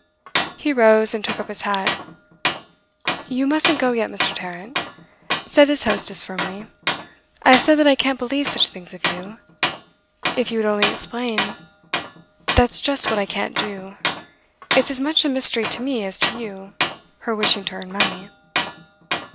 He rose, and took up his hat. 'You mustn't go yet, Mr. Tarrant,' said his hostess firmly. 'I have said that I can't believe such things of you. If you would only explain ' 'That's just what I can't do. It's as much a mystery to me as to you her wishing to earn money.